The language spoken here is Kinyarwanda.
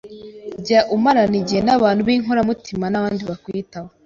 Jya umarana igihe n’abantu b’inkoramutima n’abandi bakwitaho.